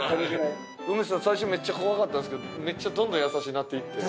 梅さん最初めっちゃ怖かったんですけどめっちゃどんどん優しなっていって。